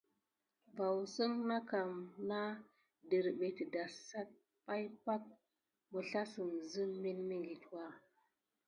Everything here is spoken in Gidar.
Vaoussən na kam nane dərɓé adassane pay pakə, məslassəm zəmə milmiŋɠitwa.